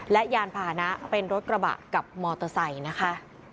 และยานพาหนะเป็นรถกระบะกับมอเตอร์ไซค์นะคะ